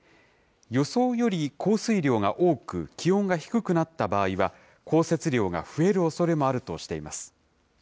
予想より降水量が多く、気温が低くなった場合は、降雪量が増えるおそれもあるとしています。